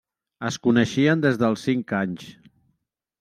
Es coneixien des dels cinc anys.